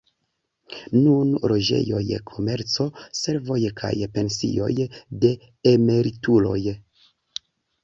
Nune loĝejoj, komerco, servoj kaj pensioj de emerituloj.